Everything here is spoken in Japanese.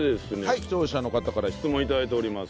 視聴者の方から質問頂いております。